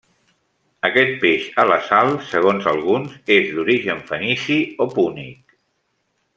Aquest peix a la sal, segons alguns, és d’origen fenici o púnic.